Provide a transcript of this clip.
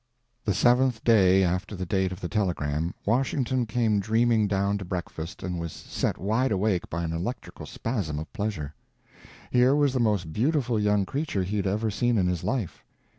The seventh day after the date of the telegram Washington came dreaming down to breakfast and was set wide awake by an electrical spasm of pleasure. Here was the most beautiful young creature he had ever seen in his life.